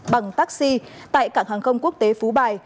bằng taxi tại cảng hàng không quốc tế phú bài